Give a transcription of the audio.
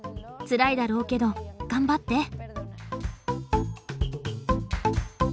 つらいだろうけど頑張って。